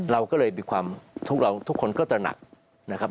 เราก็เลยมีความทุกคนก็จะหนักนะครับ